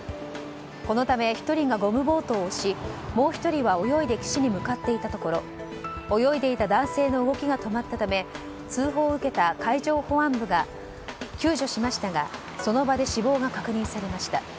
このため１人がゴムボートを押しもう１人は泳いで岸に向かっていたところ泳いでいた男性の動きが止まったため通報を受けた海上保安部が救助しましたがその場で死亡が確認されました。